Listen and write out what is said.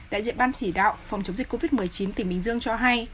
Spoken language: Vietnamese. đại diện ban chỉ đạo phòng chống dịch covid một mươi chín tỉnh bình dương cho hay